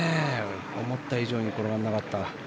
思った以上に転がらなかった。